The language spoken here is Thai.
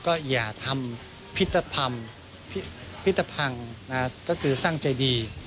ก็อย่าทำพิธภัณฑ์พิธภัณฑ์ก็คือสร้างใจดี